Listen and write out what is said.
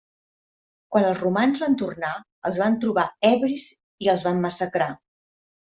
Quan els romans van tornar, els van trobar ebris i els van massacrar.